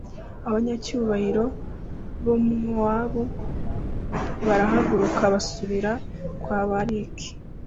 abanyacyubahiro ba mowabu barahaguruka, basubira kwa balaki.